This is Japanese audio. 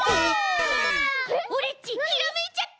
オレっちひらめいちゃった！